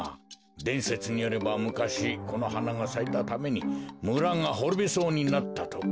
でんせつによればむかしこのはながさいたためにむらがほろびそうになったとか。